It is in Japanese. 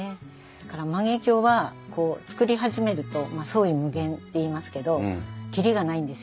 だから万華鏡は作り始めると創意無限っていいますけど切りがないんですよね。